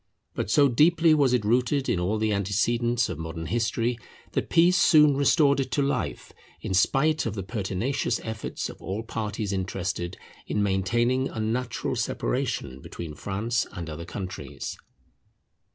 But so deeply was it rooted in all the antecedents of modern history that peace soon restored it to life, in spite of the pertinacious efforts of all parties interested in maintaining unnatural separation between France and other countries.